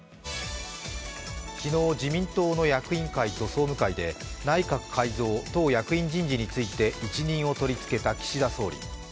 昨日、自民党の役員会と総務会で内閣改造・党役員人事について一任を取り付けた岸田総理。